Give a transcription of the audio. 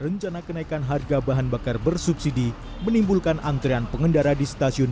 rencana kenaikan harga bahan bakar bersubsidi menimbulkan antrean pengendara di stasiun